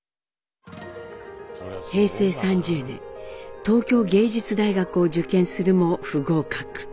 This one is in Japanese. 平成３０年東京藝術大学を受験するも不合格。